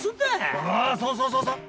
ああそうそうそうそう。